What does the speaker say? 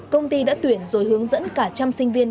công ty đã tuyển rồi hướng dẫn cả trăm sinh viên